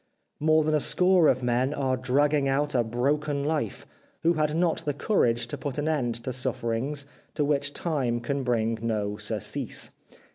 More than a score of men are dragging out a broken life, who had not the courage to put an end to suffer ings to which time can bring no surcease.